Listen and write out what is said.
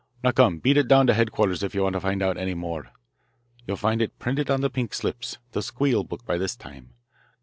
Now come, beat it down to headquarters if you want to find out any more. You'll find it printed on the pink slips the 'squeal book' by this time.